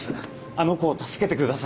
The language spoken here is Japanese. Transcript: あの子を助けてください。